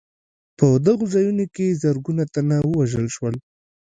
په دغو ځایونو کې زرګونه تنه ووژل شول.